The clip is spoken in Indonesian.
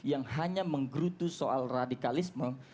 yang hanya menggerutu soal radikalisme